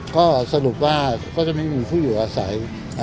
ก็สรุปว่าก็จะไม่มีผู้อยู่อาศัย